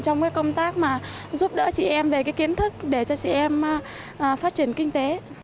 trong công tác mà giúp đỡ chị em về cái kiến thức để cho chị em phát triển kinh tế